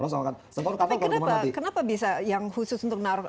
tapi kenapa bisa yang khusus untuk naruh